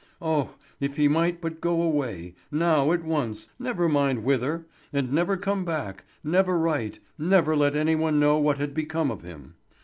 Oh, if he might but go away, now at once, never mind whither, and never come back, never write, never let any one know what had become of him!